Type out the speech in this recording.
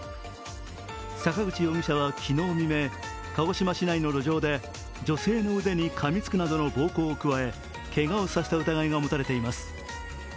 坂口容疑者は昨日未明、鹿児島市内の路上で女性の腕にかみつくなどの暴行を加えけがをさせた疑いが持たれています。